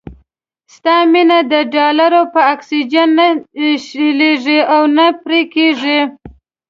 ستا مينه د ډالرو په اکسيجن نه شلېږي او نه پرې کېږي.